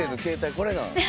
これなん？